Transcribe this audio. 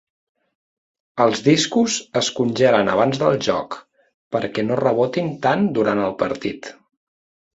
Els discos es congelen abans del joc, perquè no rebotin tant durant el partit.